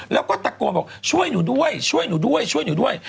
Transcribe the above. แล้วก็ตะโกนบอกช่วยหนูด้วยช่วยหนูด้วยช่วยหนูด้วย